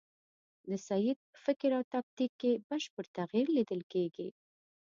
د سید په فکر او تاکتیک کې بشپړ تغییر لیدل کېږي.